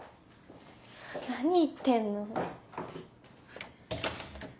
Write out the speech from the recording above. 何言ってんの？